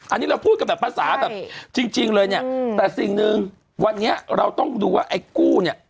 อันนี้เราพูดกันแบบภาษาแบบจริงเลยเนี่ยแต่สิ่งหนึ่งวันนี้เราต้องดูว่าไอ้กู้เนี่ย